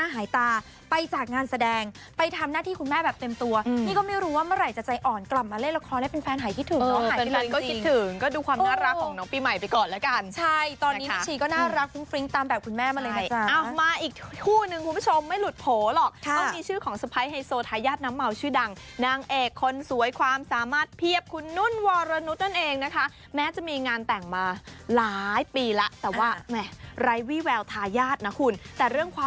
หายตาไปจากงานแสดงไปทำหน้าที่คุณแม่แบบเต็มตัวอืมนี่ก็ไม่รู้ว่าเมื่อไหร่จะใจอ่อนกลับมาเล่นละครแล้วเป็นแฟนหายคิดถึงเค้าหายไปเลยจริงเออเป็นแฟนก็คิดถึงก็ดูความน่ารักของน้องปีใหม่ไปก่อนละกันใช่ตอนนี้ชีก็น่ารักฟริ้งฟริ้งตามแบบคุณแม่มาเลยนะจ๊ะใช่เอามาอีกคู่หนึ่